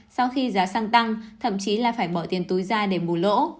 sau khi giá xăng tăng thậm chí là phải bỏ tiền túi ra để bù lỗ